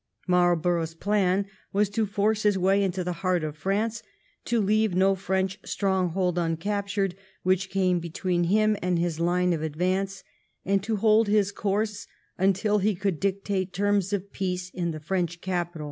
Marlborough's plan was to force his way into the heart of France, to leave no French stronghold uncaptured which came between him and his line of advance, and to hold his course, until he could dictate terms of peace in the French capital.